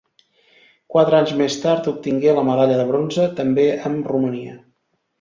Quatre anys més tard, obtingué la medalla de bronze, també amb Romania.